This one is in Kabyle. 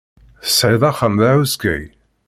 Tesɛid axxam d ahuskay.